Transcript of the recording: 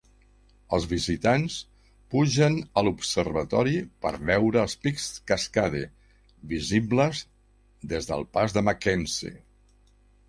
Els visitants pugen a l'observatori per veure els pics Cascade, visibles des de el Pas de McKenzie.